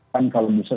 kan kalau bisa